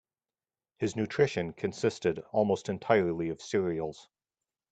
His nutrition consisted almost entirely of cereals.